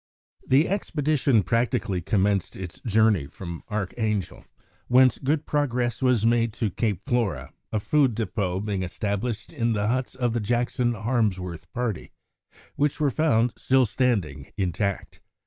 The expedition practically commenced its journey from Archangel, whence good progress was made to Cape Flora, a food depôt being established in the huts of the Jackson Harmsworth party, which were found still standing intact.